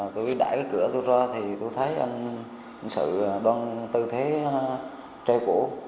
tôi đẩy cái cửa tôi ra thì tôi thấy anh sự đang tư thế treo cổ